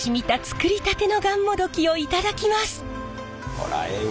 こらええ。